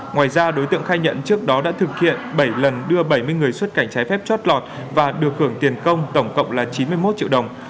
ngoài ra đối tượng khai nhận trước đó đã thực hiện bảy lần đưa bảy mươi người xuất cảnh trái phép chót lọt và được hưởng tiền công tổng cộng là chín mươi một triệu đồng